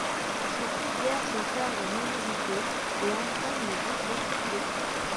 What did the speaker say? Ce flux d'air se charge en humidité et entraîne les gouttelettes d'eau.